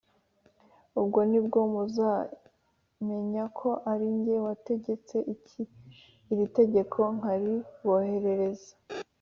Ubwo ni bwo muzamenya ko ari jye wategetse iri tegeko nkariboherereza